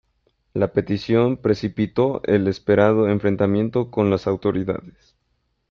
La petición precipitó el esperado enfrentamiento con las autoridades.